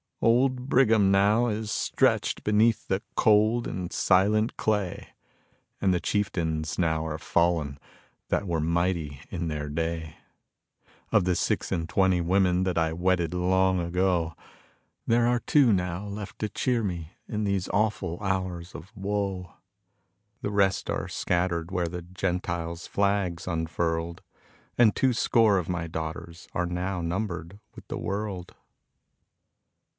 Old Brigham now is stretched beneath the cold and silent clay, And the chieftains now are fallen that were mighty in their day; Of the six and twenty women that I wedded long ago There are two now left to cheer me in these awful hours of woe. The rest are scattered where the Gentile's flag's unfurled And two score of my daughters are now numbered with the world.